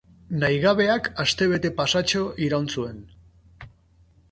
Nahigabeak astebete pasatxo iraun zuen.